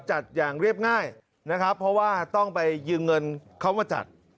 จัดอย่างเรียบง่ายนะครับเพราะว่าต้องไปยืมเงินเขามาจัด